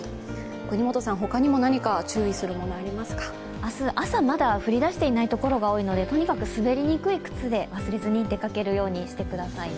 明日朝、まだ降りだしていない所が多いのでとにかく滑りにくい靴で忘れずに出かけるようにしてくださいね。